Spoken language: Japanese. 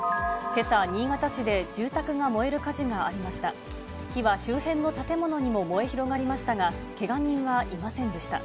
けさ、新潟市で住宅が燃える火事がありました。